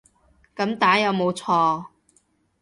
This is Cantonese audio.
噉打有冇錯